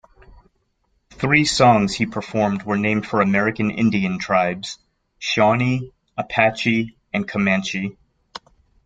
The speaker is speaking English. Three songs he performed were named for American Indian tribes: "Shawnee", "Apache", and "Comanche".